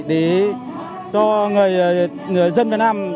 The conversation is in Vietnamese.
để cho người dân việt nam